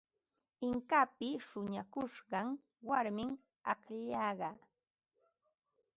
Inkapa shuñakushqan warmim akllaqa.